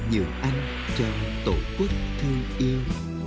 nhưng anh chồng tổ quốc thương yêu